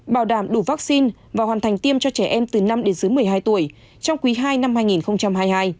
bảo đảm đủ vaccine và hoàn thành tiêm cho trẻ em từ năm đến dưới một mươi hai tuổi trong quý ii năm hai nghìn hai mươi hai